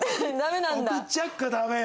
お口チャックはダメよ。